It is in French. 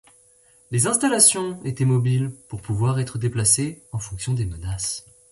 Les installations étaient mobiles, pour pouvoir être déplacées en fonction des menaces.